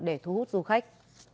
để thu hút du khách